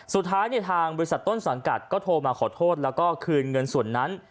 สุดท้ายทางบริษัทต้นสังกัดก็โทรมาขอโทษแล้วก็คืนเงินส่วนนั้น